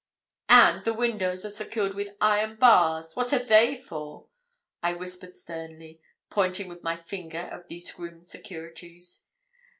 'And the windows are secured with iron bars what are they for?' I whispered sternly, pointing with my finger at these grim securities.